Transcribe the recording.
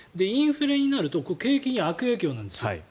インフレになると景気に悪影響なんですよ。